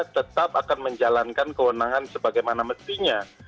tetap akan menjalankan kewenangan sebagaimana mestinya